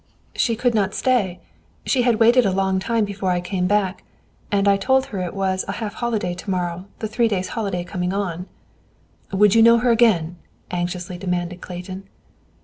"She could not stay. She had waited a long time before I came back. And I told her it was a half holiday to morrow, the three days' holiday coming on" "Would you know her again?" anxiously demanded Clayton.